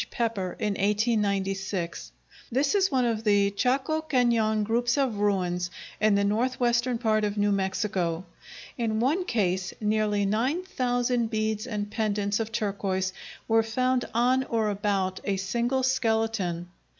Pepper in 1896. This is one of the Chaco Cañon groups of ruins, in the northwestern part of New Mexico. In one case nearly nine thousand beads and pendants of turquoise were found on or about a single skeleton.